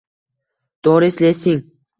Doris Lessing